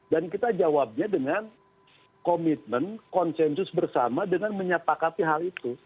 dan kita jawabnya dengan komitmen konsensus bersama dengan menyepakati hal itu